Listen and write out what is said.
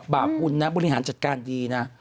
บาปบุญนะบริหารจัดการดีนะ